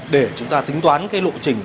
để chúng ta tính toán cái lộ trình